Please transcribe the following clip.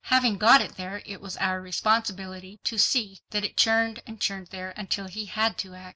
Having got it there, it was our responsibility to see that it churned and churned there, until he had to act.